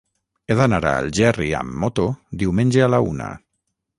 He d'anar a Algerri amb moto diumenge a la una.